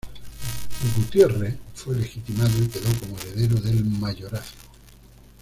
Gutierre fue legitimado y quedó como heredero del mayorazgo.